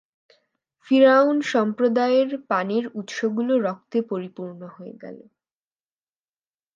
ফিরআউন সম্প্রদায়ের পানির উৎসগুলো রক্তে পরিপূর্ণ হয়ে গেল।